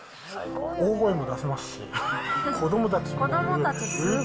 大声も出せますし、子どもたちも。